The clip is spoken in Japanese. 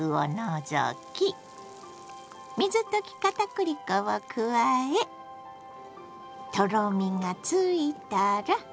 水溶き片栗粉を加えとろみがついたら。